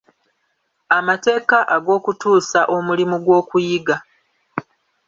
Amateeka ag'okutuusa omulimu gw'okuyiga.